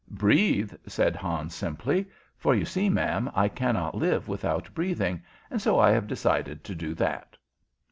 "Breathe," said Hans, simply. "For you see, ma'am, I cannot live without breathing, and so I have decided to do that."